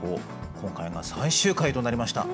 今回が最終回となりました。